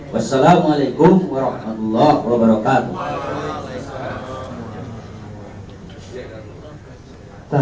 wassalamu'alaikum warahmatullahi wabarakatuh